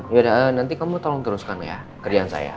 ya nanti kamu tolong teruskan ya kerjaan saya